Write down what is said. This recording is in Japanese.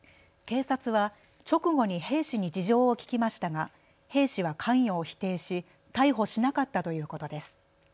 警察は直後に兵士に事情を聞きましたが兵士は関与を否定し逮捕しなかったということです。